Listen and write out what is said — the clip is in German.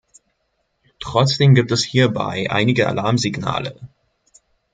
Trotzdem gibt es hierbei einige Alarmsignale.